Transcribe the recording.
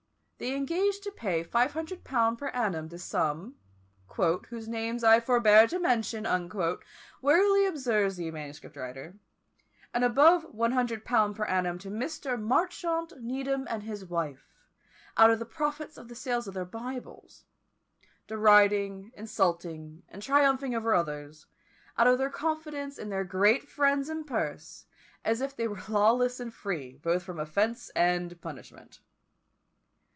They engaged to pay 500_l._ per annum to some, "whose names I forbear to mention," warily observes the manuscript writer; and above 100_l._ per annum to Mr. Marchmont Needham and his wife, out of the profits of the sales of their Bibles; deriding, insulting, and triumphing over others, out of their confidence in their great friends and purse, as if they were lawless and free, both from offence and punishment.